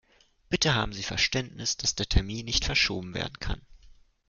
Bitte haben Sie Verständnis, dass der Termin nicht verschoben werden kann.